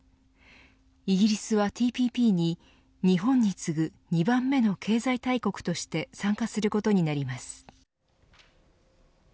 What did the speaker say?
イギリスはＴＰＰに日本に次ぐ２番目の経済大国として参加することになります。